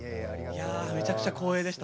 めちゃくちゃ光栄でした。